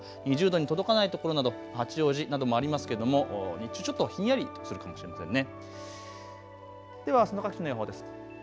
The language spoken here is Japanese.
２０度前後、２０度に届かない所など八王子などもありますけれども日中ちょっとひんやりするかもしれませんね。